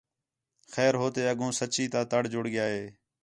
خیر ہو تے اڳوں سچّی تا تڑ جُڑ ڳِیا ہِے